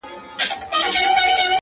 o د درد د كړاوونو زنده گۍ كي يو غمى دی.